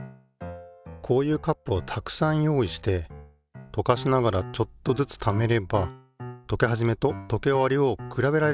こういうカップをたくさん用意してとかしながらちょっとずつためればとけはじめととけおわりをくらべられるよね。